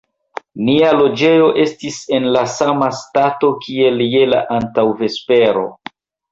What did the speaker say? Nia loĝejo estis en la sama stato, kiel je la antaŭvespero.